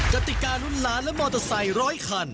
กติการุ่นล้านและมอเตอร์ไซค์ร้อยคัน